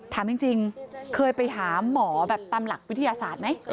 ถามจริงเคยไปหาหมอแบบตามหลักวิทยาศาสตร์ไหม